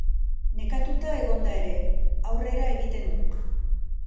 Nekatuta egonda ere, aurrera egiten du.